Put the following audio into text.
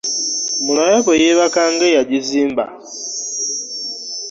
Mulabe bwe yebaka nga eyajizimba .